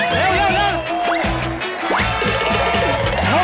เร็วเร็วเร็ว